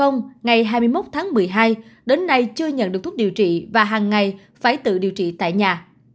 ngày hai mươi một tháng một mươi hai đến nay chưa nhận được thuốc điều trị và hàng ngày phải tự điều trị tại nhà